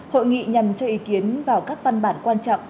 hội nghị nhằm cho ý kiến vào các văn bản quan trọng